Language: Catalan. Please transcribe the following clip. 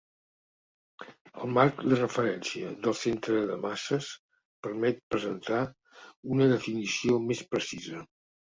El marc de referència del centre de masses permet presentar una definició més precisa.